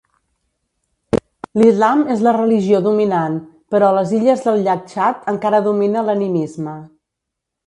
L'islam és la religió dominant però a les illes del llac Txad encara domina l'animisme.